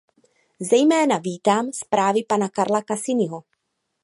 Zejména vítám zprávy pana Carla Casiniho.